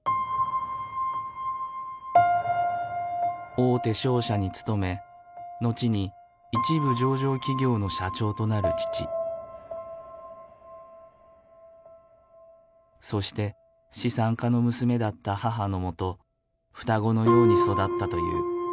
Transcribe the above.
大手商社に勤め後に一部上場企業の社長となる父そして資産家の娘だった母のもと双子のように育ったという。